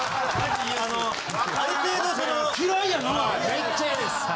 めっちゃ嫌です。